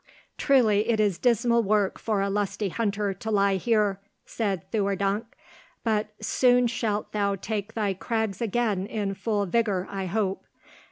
"Truly it is dismal work for a lusty hunter to lie here," said Theurdank, "but soon shalt thou take thy crags again in full vigour, I hope.